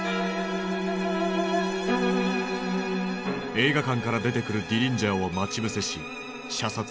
映画館から出てくるディリンジャーを待ち伏せし射殺。